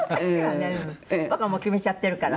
「僕はもう決めちゃってるから」